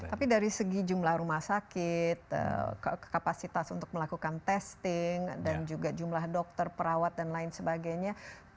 tapi dari segi jumlah rumah sakit kapasitas untuk melakukan testing dan juga jumlah dokter perawat dan lain sebagainya